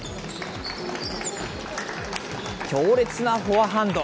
強烈なフォアハンド。